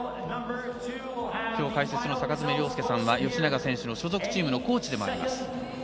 解説の坂爪亮介さんは吉永選手の所属チームのコーチでもあります。